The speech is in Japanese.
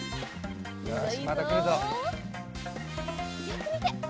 よくみて！